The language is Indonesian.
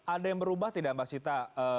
ada yang berubah tidak mbak sita